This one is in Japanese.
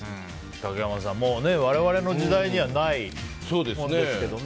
竹山さん、我々の時代にはないものですけどね。